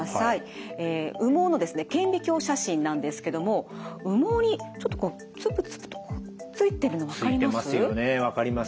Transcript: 羽毛の顕微鏡写真なんですけども羽毛にちょっとこうつぶつぶとついてるの分かります？